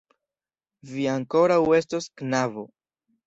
Vi ankoraŭ estos, knabo!